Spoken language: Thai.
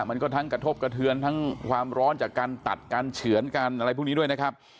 มันก็ทั้งกระทบกระเทือนทั้งความร้อนจากการตัดการเฉือนการอะไรพวกนี้ด้วยนะครับ